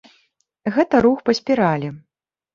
Гэта рух па спіралі.